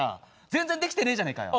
全然できてねえじゃねえかよ。